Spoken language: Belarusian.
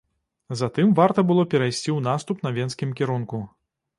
Затым варта было перайсці ў наступ на венскім кірунку.